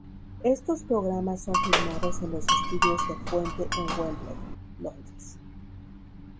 Estos programas son filmados en los estudios de Fuente en Wembley, Londres.